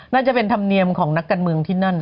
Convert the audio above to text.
น่าจะเป็นธรรมเนียมของนักการเมืองที่นั่น